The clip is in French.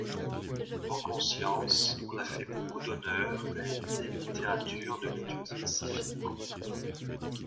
En conscience, on a fait beaucoup d'honneur à une telle littérature de l'étudier si finement.